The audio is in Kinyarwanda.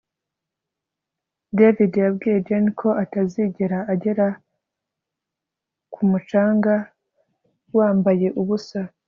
David yabwiye Jane ko atazigera agera ku mucanga wambaye ubusa